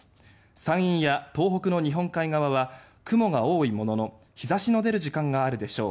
山陰や東北の日本海側は雲が多いものの日差しの出る時間があるでしょう。